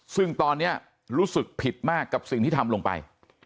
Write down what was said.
ซึ่งตอนนี้รู้สึกผิดมากกับสิ่งที่ทำลงไป